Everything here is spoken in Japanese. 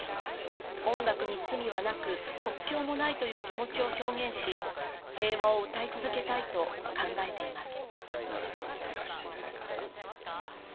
音楽に罪はなく、国境もないという気持ちを表現し、平和を歌い続けたいと考えています。